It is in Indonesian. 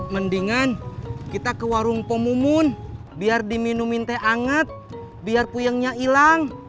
mendingan kita ke warung pomumun biar diminumin teh anget biar puyengnya hilang